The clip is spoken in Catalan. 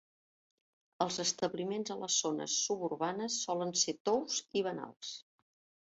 Els establiments a les zones suburbanes solen ser tous i banals.